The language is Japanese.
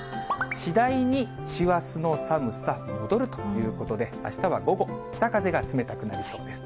次第に師走の寒さ戻るということで、あしたは午後、北風が冷たくなりそうです。